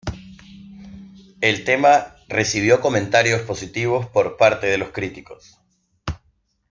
El tema recibió comentarios positivos por parte de los críticos.